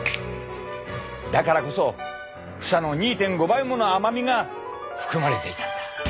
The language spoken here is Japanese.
だからこそ房の２．５倍もの甘みが含まれていたんだ。